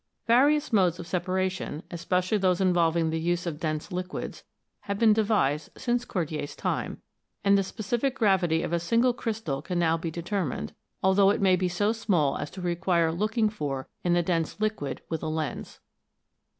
Various modes of separation, especially those involving the use of dense i] ON ROCKS IN GENERAL 5 liquids, have been devised since Cordier's time, and the specific gravity of a single crystal can now be deter mined, although it may be so small as to require looking for in the dense liquid with a lens (2).